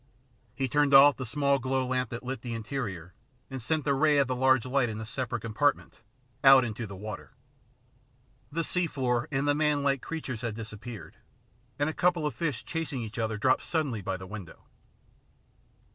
He turned off the small glow lamp that lit the interior, and sent the ray of the large light in the separate compart ment out into the water. The sea floor and the man like creatures had disappeared, and a couple of fish chasing each other dropped suddenly by the window.